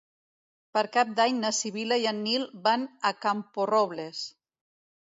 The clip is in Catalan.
Per Cap d'Any na Sibil·la i en Nil van a Camporrobles.